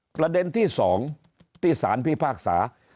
ประเด็นที่๒ที่สารพิพากษา